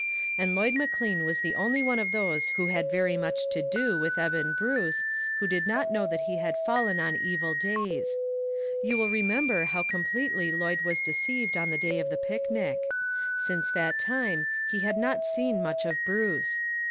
And Lloyd McLean was the only one of those who had very much to do with Eben Bruce, who did not know that he 'had fallen on evil days. You will remem ber how completely Lloyd was deceived on the day of the picnic. Since that time he had not seen much of Bruce.